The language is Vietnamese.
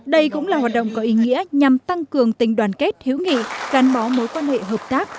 đây cũng là hoạt động có ý nghĩa nhằm tăng cường tình đoàn kết hữu nghị gắn bó mối quan hệ hợp tác